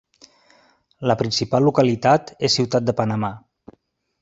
La principal localitat és Ciutat de Panamà.